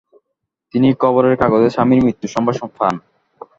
তিনি খবরের কাগজে স্বামীর মৃত্যুসংবাদ পান।